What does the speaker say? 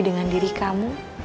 dengan diri kamu